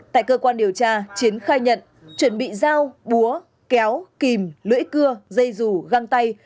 tại cơ quan điều tra chiến khai nhận chuẩn bị dao búa kéo kìm lưỡi cưa dây rù găng tay